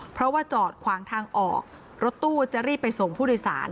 เพราะว่าจอดขวางทางออกรถตู้จะรีบไปส่งผู้โดยสาร